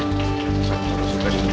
suka suka di rumah